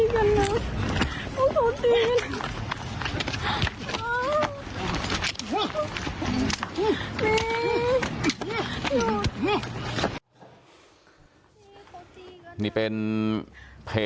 เขาจีกันน่ะ